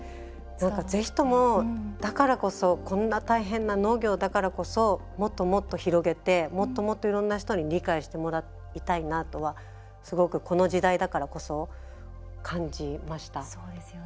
ぜひとも、だからこそこんな大変な農業だからこそもっともっと広げてもっともっといろんな人に理解してもらいたいなとはすごくこの時代だからこそ感じました。